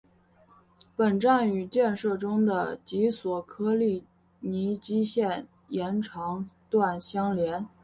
本站与建设中的及索科利尼基线延长段相连。